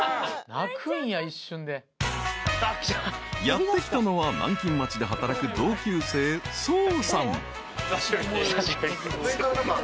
［やって来たのは南京町で働く同級生曹さん］